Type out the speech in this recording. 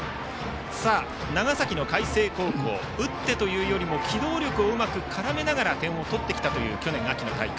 長崎の海星高校は打ってというよりも機動力をうまく絡めながら点を取ってきた去年秋の大会。